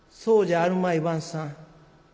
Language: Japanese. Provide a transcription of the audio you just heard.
そうじゃあるまい番頭さん。